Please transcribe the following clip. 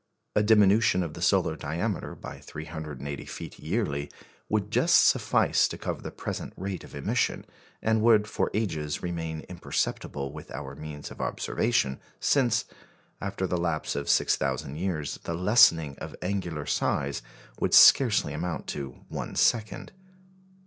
A diminution of the solar diameter by 380 feet yearly would just suffice to cover the present rate of emission, and would for ages remain imperceptible with our means of observation, since, after the lapse of 6,000 years, the lessening of angular size would scarcely amount to one second.